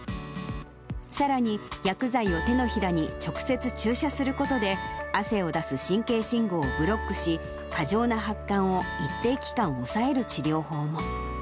さらに、薬剤を手のひらに直接注射することで、汗を出す神経信号をブロックし、過剰な発汗を一定期間抑える治療法も。